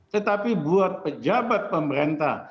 tetapi buat pejabat pemerintah